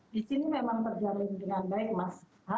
di sini memang terjalin dengan baik mas